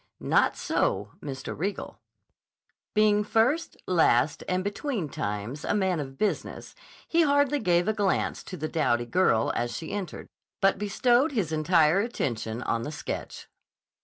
Not so Mr. Riegel. Being first, last, and between times a man of business, he hardly gave a glance to the dowdy girl as she entered, but bestowed his entire attention on the sketch.